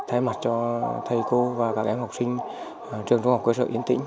thay mặt cho thầy cô và các em học sinh trường trung học cơ sở yên tĩnh